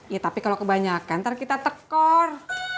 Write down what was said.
ya tapi kalau kebanyakan ntar kita tekor